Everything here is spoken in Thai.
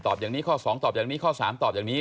อย่างนี้ข้อ๒ตอบอย่างนี้ข้อ๓ตอบอย่างนี้